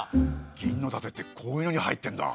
銀の盾ってこういうのに入ってんだ。